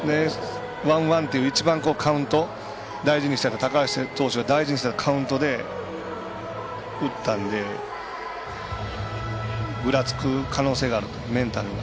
ワンワンっていう一番、高橋投手が大事にしてたカウントで打ったのでぐらつく可能性があるとメンタルが。